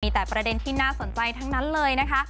แต่ประเด็นที่น่าสนใจทั้งนั้นเลยนะคะ